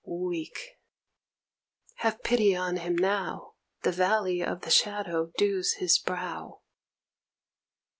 Weak!_' Have pity on him now, The valley of the shadow dews his brow!